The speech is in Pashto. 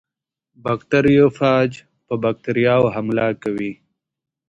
باکتریوفاج په باکتریاوو حمله کوي.